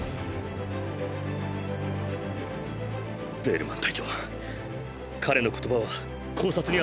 ヴェールマン隊長彼の言葉は考察に値。